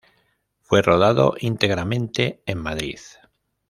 Fue rodado íntegramente en Madrid.